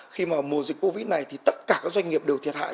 khi mà mùa dịch covid này thì tất cả các doanh nghiệp đều thiệt hại